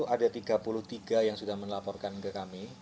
ada tiga puluh tiga yang sudah melaporkan ke kami